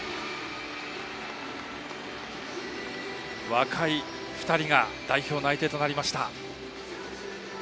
若い２人が代表内定となりました。